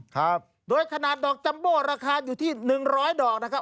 ครับโดยขนาดดอกจัมโบ้ราคาอยู่ที่หนึ่งร้อยดอกนะครับ